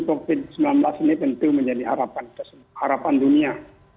covid sembilan belas ini tentu menjadi harapan dunia